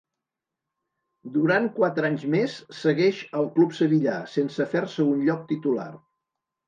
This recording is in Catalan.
Durant quatre anys més segueix al club sevillà, sense fer-se un lloc titular.